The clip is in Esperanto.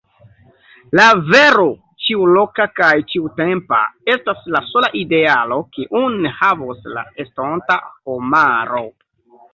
La vero, ĉiuloka kaj ĉiutempa, estas la sola idealo, kiun havos la estonta homaro.